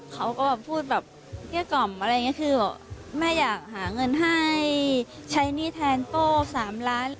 เขาก็แบบพูดแบบเกลี้ยกล่อมอะไรอย่างนี้คือแบบแม่อยากหาเงินให้ใช้หนี้แทนโต้๓ล้าน